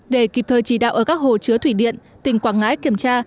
để kịp thời chỉ đạo ở các hồ chứa thủy điện tỉnh quảng ngãi kiểm tra